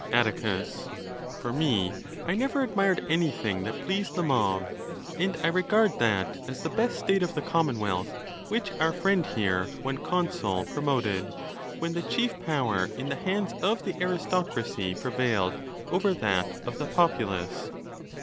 . XVIL. Atticus——For me, I never admired anything that pleased the mob, and I regard that as the best state of the commonwealth which our friend here, when consul, promoted, when the chief power in the hands of the aristocracy prevailed over that of the populace.